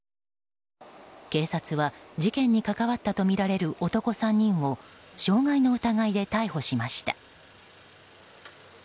警察は事件に関わったとみられる男３人を傷害の疑いで逮捕しました。